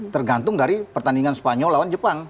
tergantung dari pertandingan spanyol lawan jepang